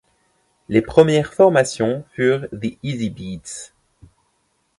Les premières formations furent The Easybeats.